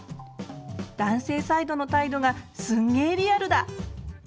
男性サイドの態度がすんげーリアルだ。